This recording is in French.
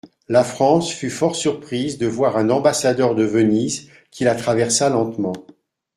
La France fut fort surprise de voir un ambassadeur de Venise qui la traversa lentement.